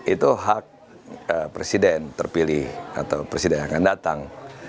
itu hak presiden terpilih atau presiden yang akan datang